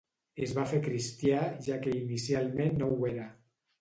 Es va fer cristià, ja que inicialment no ho era.